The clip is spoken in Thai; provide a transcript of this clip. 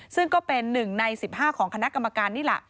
ซึ่งก็เป็น๑ใน๑๕ของคณะกรรมการนี่แหละ